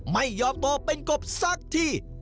ไม่ยอมโตเป็นกบสักที